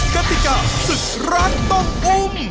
กระติกะรัฐสุดรักต้องอุ้ม